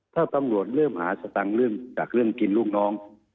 ถ้าตำรวจเริ่มหาสตังค์จากเรื่องกินลูกน้อง